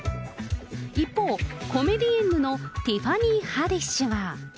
一方、コメディエンヌのティファニー・ハディッシュは。